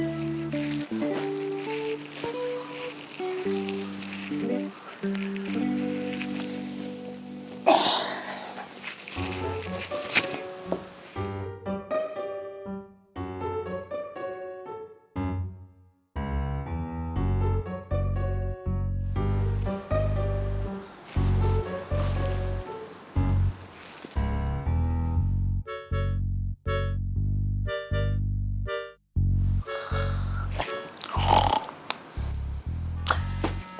sebenernya dia bukan siapa siapa